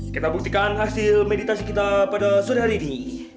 kita buktikan hasil meditasi kita pada sore hari ini